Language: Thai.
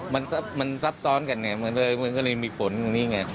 มันซับซ้อนกันเนี่ยมันก็เลยมีผลตรงนี้ไง